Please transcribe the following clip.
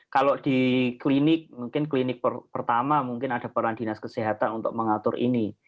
kalau di klinik mungkin klinik pertama mungkin ada peran dinas kesehatan untuk mengatur ini